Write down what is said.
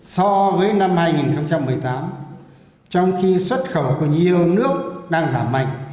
so với năm hai nghìn một mươi tám trong khi xuất khẩu của nhiều nước đang giảm mạnh